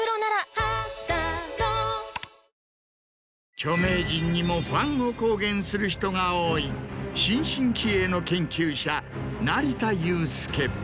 著名人にもファンを公言する人が多い新進気鋭の研究者成田悠輔。